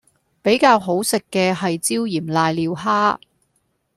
比較好食嘅係椒鹽賴尿蝦